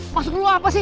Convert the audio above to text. masuk dulu apa sih